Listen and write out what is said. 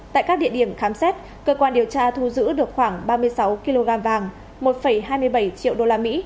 tại các địa điểm khám xét cơ quan điều tra thu giữ được khoảng ba mươi sáu kg vàng một hai mươi bảy triệu usd